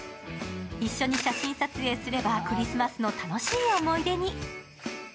一緒に写真撮影すればクリスマスの楽しい思い出に。